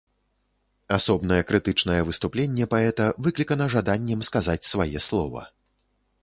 Асобнае крытычнае выступленне паэта выклікана жаданнем сказаць свае слова.